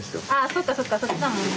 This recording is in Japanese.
そっかそっかそっちだもんね。